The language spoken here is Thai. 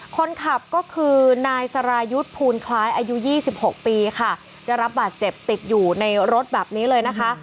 คนขับก็คือนายสรายุทธ์ภูลคล้ายอายุ๒๖ปีค่ะได้รับบาดเจ็บติดอยู่ในรถแบบนี้เลยนะคะ